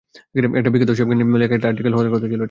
একটা বিখ্যাত শেফকে নিয়ে লেখা একটা আর্টিকেল হওয়ার কথা ছিল এটা।